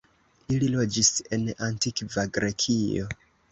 Ili loĝis en Antikva Grekio.